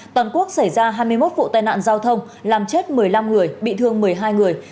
toàn quốc xảy ra hai mươi một vụ tai nạn giao thông làm chết một mươi năm người bị thương một mươi hai người